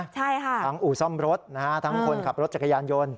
ใช่ค่ะทั้งอุซ่อมรถทั้งคนขับรถจักรยานโยน